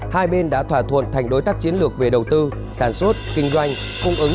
hai bên đã thỏa thuận thành đối tác chiến lược về đầu tư sản xuất kinh doanh cung ứng